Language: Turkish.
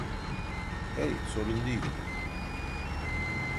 Hey, sorun değil.